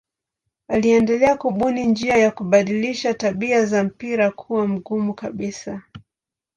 Aliendelea kubuni njia ya kubadilisha tabia za mpira kuwa mgumu kabisa.